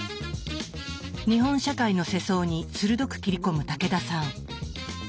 日本社会の世相に鋭く切り込む武田さん。